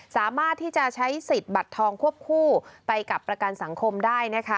สามารถที่จะใช้สิทธิ์บัตรทองควบคู่ไปกับประกันสังคมได้นะคะ